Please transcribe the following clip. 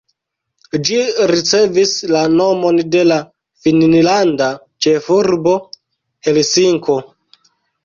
Ĝi ricevis la nomon de la finnlanda ĉefurbo Helsinko.